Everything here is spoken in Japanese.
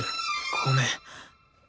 ごめん。